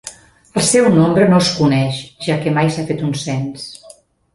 El seu nombre no es coneix, ja que mai s'ha fet un cens.